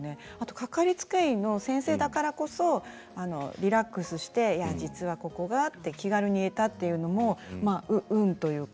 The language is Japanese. かかりつけ医の先生だからこそリラックスして実はここがって気軽に言えたというのもうんというか。